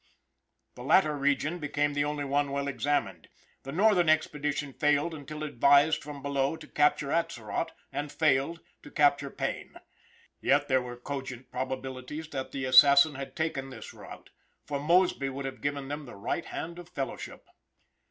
The latter region became the only one well examined; the northern expedition failed until advised from below to capture Atzerott, and failed, to capture Payne. Yet there were cogent probabilities that the assassin had taken this route; far Mosby would have given them the right hand of fellowship.